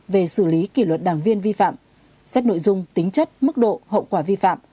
về xử lý kỷ luật đảng viên vi phạm xét nội dung tính chất mức độ hậu quả vi phạm